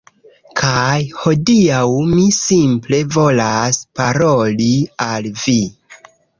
Kaj hodiaŭ mi simple volas paroli al vi.